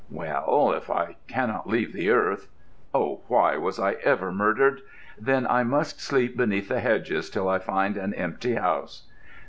Well, if I cannot leave the earth—oh, why was I ever murdered?—then I must sleep beneath the hedges, till I find an empty house.